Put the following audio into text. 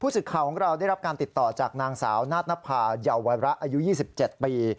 ศึกข่าวของเราได้รับการติดต่อจากนางสาวนาธนภาเยาวระอายุ๒๗ปี